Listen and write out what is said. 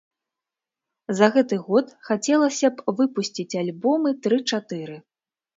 За гэты год хацелася б выпусціць альбомы тры-чатыры.